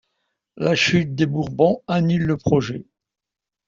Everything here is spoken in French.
La chute des Bourbons annule le projet.